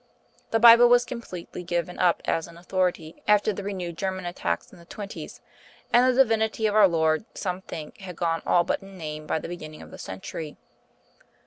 The Bible was completely given up as an authority after the renewed German attacks in the twenties; and the Divinity of our Lord, some think, had gone all but in name by the beginning of the century.